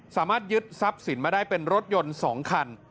สามารถยึดทรัพย์สินมาได้เป็นรถยนต์๒คัน